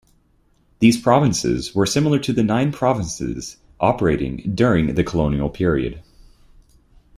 These provinces were similar to the nine provinces operating during the colonial period.